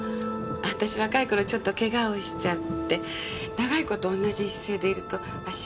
私若い頃ちょっと怪我をしちゃって長い事同じ姿勢でいると足が痛むのよね。